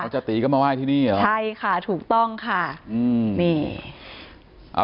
จติก็มาไหว้ที่นี่เหรอใช่ค่ะถูกต้องค่ะ